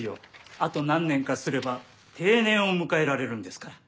あと何年かすれば定年を迎えられるんですから。